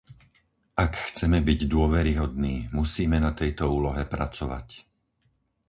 Ak chceme byť dôveryhodní, musíme na tejto úlohe pracovať.